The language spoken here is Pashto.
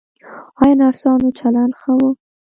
ایا نرسانو چلند ښه و؟